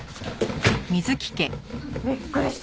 びっくりした！